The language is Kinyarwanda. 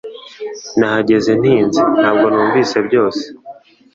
Nahageze ntinze, ntabwo numvise byose